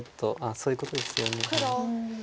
そういうことですよね。